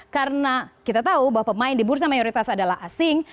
karena kita tahu bahwa pemain di bursa mayoritas adalah asing